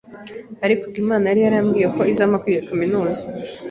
Ariko ubwo Imana yari yarambwiye ko izampa kwiga kaminuza,